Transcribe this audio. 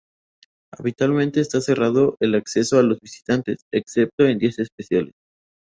Habitualmente está cerrado el acceso a los visitantes, excepto en días especiales.